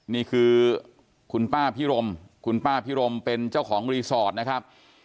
นี่คือคุณป้าพิรมคุณป้าพิรมเป็นเจ้าของรีสอร์ทนะครับ